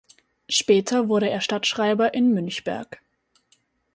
Später wurde er Stadtschreiber in Münchberg.